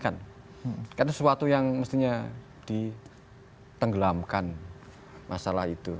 karena itu adalah sesuatu yang mestinya ditenggelamkan masalah itu